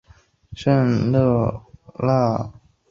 圣赫勒拿机场是位于圣赫勒拿岛上的一座国际机场。